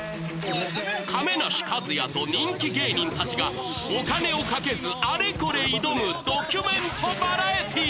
亀梨和也と人気芸人たちがお金をかけず、あれこれ挑むドキュメントバラエティー。